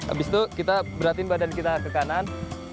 abis itu kita beratin badan kita ke kanan